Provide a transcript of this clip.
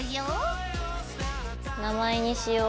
名前にしよう。